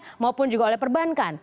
walaupun juga oleh perbankan